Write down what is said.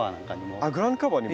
あっグラウンドカバーにも？